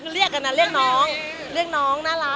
คือเรียกกันนะเรียกน้องเรียกน้องน่ารัก